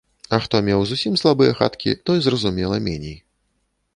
А хто меў зусім слабыя хаткі, той, зразумела, меней.